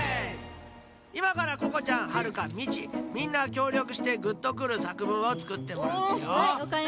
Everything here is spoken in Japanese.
いまからここちゃんはるかミチみんなきょうりょくしてグッとくる作文をつくってもらうっちよ。